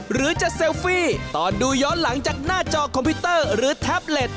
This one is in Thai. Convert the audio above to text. หรือจะเซลฟี่ตอนดูย้อนหลังจากหน้าจอคอมพิวเตอร์หรือแท็บเล็ต